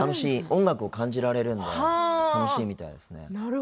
音楽を感じられるので楽しいみたいですね。